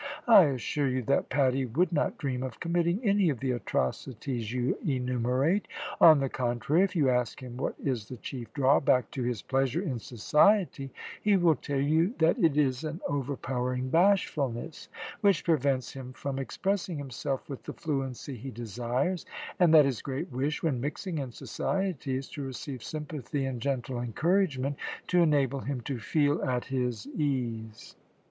I assure you that Paddy would not dream of committing any of the atrocities you enumerate; on the contrary, if you ask him what is the chief drawback to his pleasure in society he will tell you that it is an overpowering bashfulness, which prevents him from expressing himself with the fluency he desires, and that his great wish when mixing in society is to receive sympathy and gentle encouragement to enable him to feel at his ease."